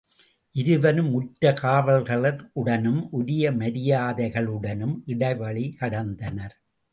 இருவரும் உற்ற காவலர்களுடனும் உரிய மரியாதைகளுடனும் இடைவழி கடந்தனர்.